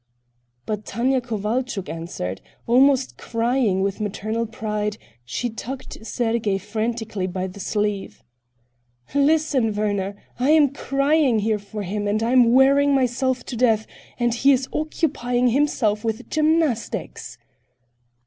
But Tanya Kovalchuk answered. Almost crying with maternal pride, she tugged Sergey frantically by the sleeve. "Listen, Werner! I am crying here for him, I am wearing myself to death, and he is occupying himself with gymnastics!"